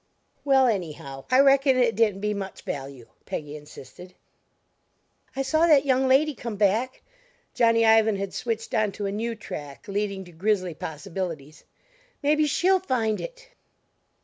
"Well, anyhow, I reckon it didn't be much value," Peggy insisted. "I saw that young lady come back," Johnny Ivan had switched on to a new track leading to grisly possibilities "maybe she'll find it!"